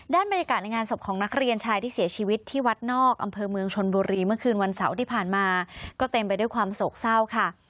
บรรยากาศในงานศพของนักเรียนชายที่เสียชีวิตที่วัดนอกอำเภอเมืองชนบุรีเมื่อคืนวันเสาร์ที่ผ่านมาก็เต็มไปด้วยความโศกเศร้าค่ะ